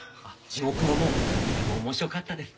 『地獄の門』とても面白かったです。